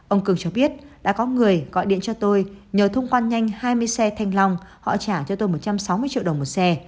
ông cường cho biết đã có người gọi điện cho tôi nhờ thông quan nhanh hai mươi xe thanh long họ trả cho tôi một trăm sáu mươi triệu đồng một xe